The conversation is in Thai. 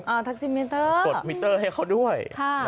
อ่าแท็กซี่มิเตอร์นะครับสดมิเตอร์ให้เขาด้วย